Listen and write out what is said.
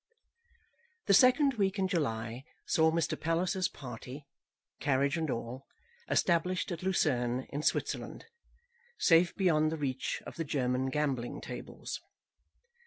The second week in July saw Mr. Palliser's party, carriage and all, established at Lucerne, in Switzerland, safe beyond the reach of the German gambling tables.